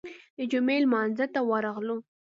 د جمعې لمانځه ته ورغلو.